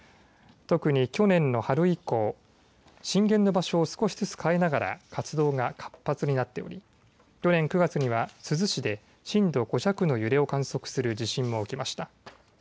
特に去年の春以降、震源の場所を少しずつ変えながら活動が活発になっており去年９月には珠洲市で震度５弱の揺れを観測する地震も起きました。